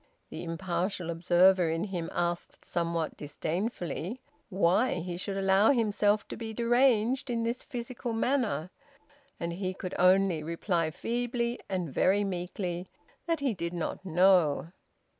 The impartial observer in him asked somewhat disdainfully why he should allow himself to be deranged in this physical manner, and he could only reply feebly and very meekly that he did not know.